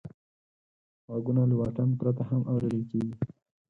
غږونه له واټن پرته هم اورېدل کېږي.